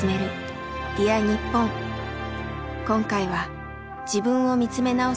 今回は自分を見つめ直す